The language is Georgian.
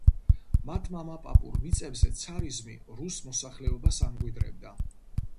მათ მამაპაპურ მიწებზე ცარიზმი რუს მოსახლეობას ამკვიდრებდა.